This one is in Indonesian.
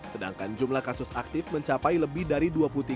sedangkan jumlah kasus aktif mencapai lebih dari dua puluh tiga